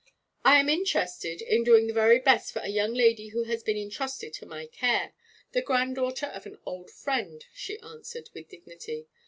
'I am interested in doing the very best for a young lady who has been entrusted to my care, the granddaughter of an old friend,' she answered, with dignity.